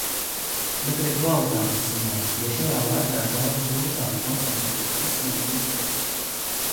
Bet arī kvalitātes ziņā. Jo šajā laikā ir daudz grūtāk koncentrēties visiem un visur.